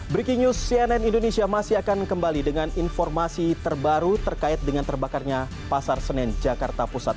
breaking news cnn indonesia masih akan kembali dengan informasi terbaru terkait dengan terbakarnya pasar senen jakarta pusat